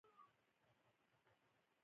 افغانستان د ځنګلونه لپاره مشهور دی.